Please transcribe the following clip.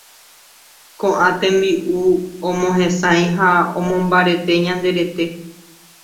Koʼã tembiʼu omohesãi ha omombarete ñande rete.